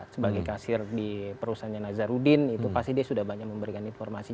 sebagai kasir di perusahaannya nazarudin itu pasti dia sudah banyak memberikan informasi